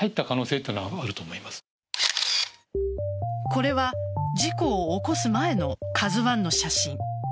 これは、事故を起こす前の「ＫＡＺＵ１」の写真。